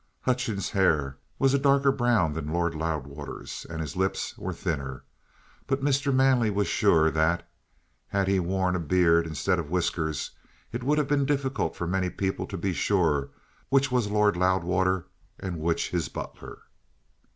Hutchings' hair was a darker brown than Lord Loudwater's, and his lips were thinner. But Mr. Manley was sure that, had he worn a beard instead of whiskers, it would have been difficult for many people to be sure which was Lord Loudwater and which his butler.